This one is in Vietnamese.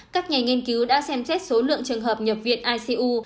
các nhà nghiên cứu đã xem xét số lượng trường hợp nhập viện icu